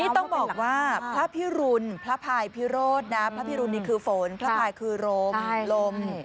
นี่ต้องบอกว่าพระพิรุณพระพายพิโรธนะพระพิรุณนี่คือฝนพระพายคือรมลม